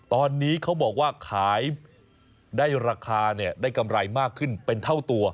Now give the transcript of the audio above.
ตอนนี้เขาบอกว่าขายได้ราคาเนี่ยได้กำไรมากขึ้นเป็นเท่าตัว